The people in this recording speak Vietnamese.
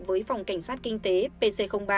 với phòng cảnh sát kinh tế pc ba